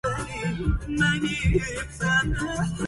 وَقَالَ سُلَيْمَانُ بْنُ عَبْدِ الْمَلِكِ لِأَبِي حَازِمٍ